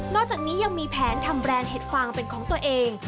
อกจากนี้ยังมีแผนทำแบรนด์เห็ดฟางเป็นของตัวเอง